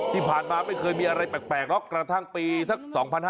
ที่ผ่านมาไม่เคยมีอะไรแปลกหรอกกระทั่งปีสัก๒๕๕๙